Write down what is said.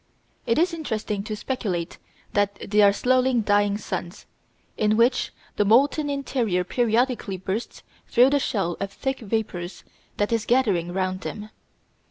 It is interesting to speculate that they are slowly dying suns, in which the molten interior periodically bursts through the shell of thick vapours that is gathering round them.